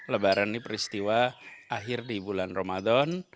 lebaran ini peristiwa akhir di bulan ramadan